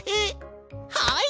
はい！